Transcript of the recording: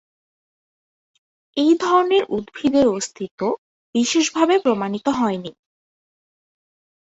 এই ধরনের উদ্ভিদের অস্তিত্ব বিশেষভাবে প্রমাণিত হয়নি।